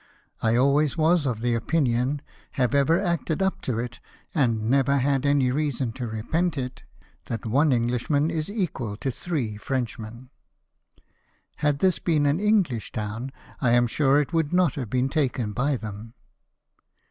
I always was of opinion, have ever acted up to it, and never had any reason to repent it, that one Englishman was equal to three Frenchmen. Had this been an Enghsh town, I am sure it would not have been taken by them."